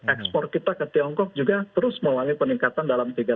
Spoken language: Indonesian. ekspor kita ke tiongkok juga terus melalui peningkatan dalam tiga